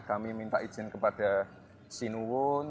kami minta izin kepada sinuwun